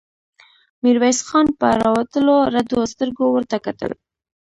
ميرويس خان په راوتلو رډو سترګو ورته کتل.